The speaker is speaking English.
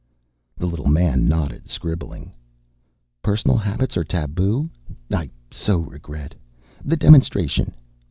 The little man nodded, scribbling. "Personal habits are tabu? I so regret. The demonstration."